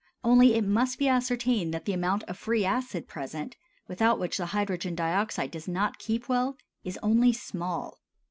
Only it must be ascertained that the amount of free acid present, without which the hydrogen dioxide does not keep well, is only small.